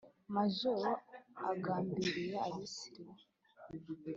Majoro agambiriye Abasilimu